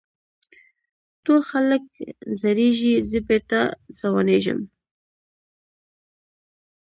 ټول خلک زړېږي زه بېرته ځوانېږم.